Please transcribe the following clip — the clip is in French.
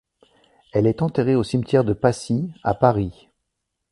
Elle est enterrée au cimetière de Passy à Paris.